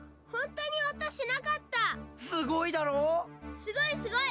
すごいすごい！